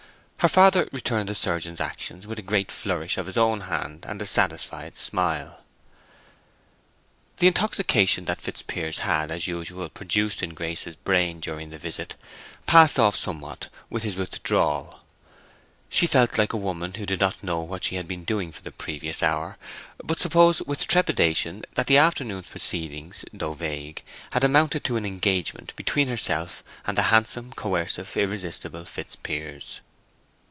Her father returned the surgeon's action with a great flourish of his own hand and a satisfied smile. The intoxication that Fitzpiers had, as usual, produced in Grace's brain during the visit passed off somewhat with his withdrawal. She felt like a woman who did not know what she had been doing for the previous hour, but supposed with trepidation that the afternoon's proceedings, though vague, had amounted to an engagement between herself and the handsome, coercive, irresistible Fitzpiers.